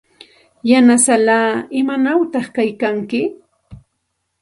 Yanasallaa, ¿imanawta kaykanki?